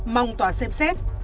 mong tòa xem xét